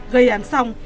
gây án xong